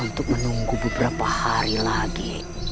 untuk menunggu beberapa hari lagi